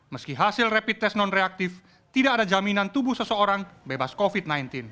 meski hasil rapid test non reaktif tidak ada jaminan tubuh seseorang bebas covid sembilan belas